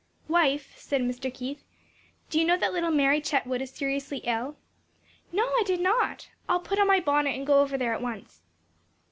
"Wife," said Mr. Keith, "do you know that little Mary Chetwood is seriously ill?" "No, I did not, I'll put on my bonnet and go over there at once."